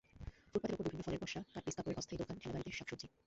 ফুটপাতের ওপর বিভিন্ন ফলের পসরা, কাটপিস কাপড়ের অস্থায়ী দোকান, ঠেলা গাড়িতে শাকসবজি।